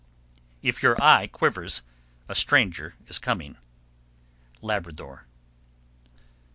If your eye quivers, a stranger is coming. _Labrador.